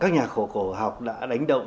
và các nhà khổ cổ học đã đánh động